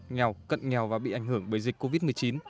nghèo cận nghèo và bị ảnh hưởng bởi dịch covid một mươi chín